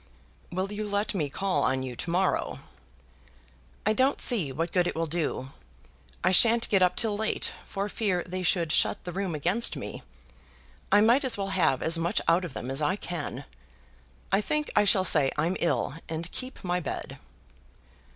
"Will you let me call on you, to morrow?" "I don't see what good it will do? I shan't get up till late, for fear they should shut the room against me. I might as well have as much out of them as I can. I think I shall say I'm ill, and keep my bed."